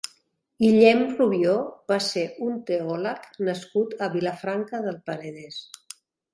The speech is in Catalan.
Guillem Rubió va ser un teòleg nascut a Vilafranca del Penedès.